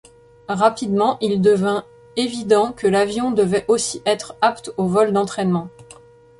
Rapidement il devint évident que l'avion devait aussi être apte aux vols d'entraînement.